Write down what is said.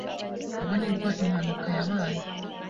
ubwo nibwo impanuka yabaye.